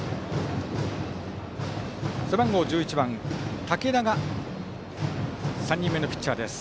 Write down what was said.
背番号１１番竹田が３人目のピッチャーです。